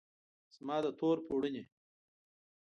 زما د تور پوړنې